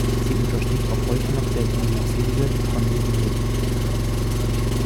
Sie untersteht auch heute noch der Diözese von Viviers.